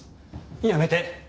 やめて！